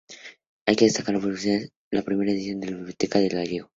Hay que destacar la publicación de la primera edición de la Biblia en gallego.